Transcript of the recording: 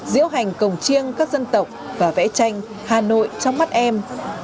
diễu hành cổng chiêng các dân tộc và vẽ tranh hà nội trong mắt em